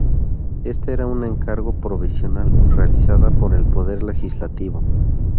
Este era un encargo provisional, realizada por el poder legislativo.